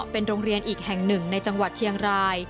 เป็นโรงเรียนอีกแห่งหนึ่งในจังหวัดเชียงราย